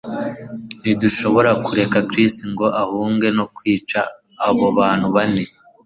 Ntidushobora kureka Chris ngo ahunge no kwica abo bantu bane